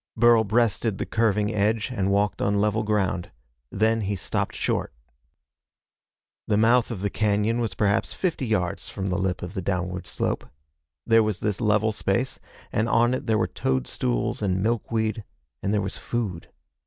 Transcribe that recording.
Burl breasted the curving edge, and walked on level ground. Then he stopped short. The mouth of the cañon was perhaps fifty yards from the lip of the downward slope. There was this level space, and on it there were toadstools and milkweed, and there was food.